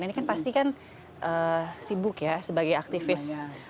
ini kan pasti kan sibuk ya sebagai aktivis